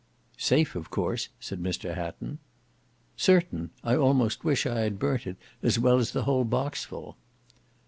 "Safe, of course?" said Mr Hatton. "Certain. I almost wish I had burnt it as well as the whole box full."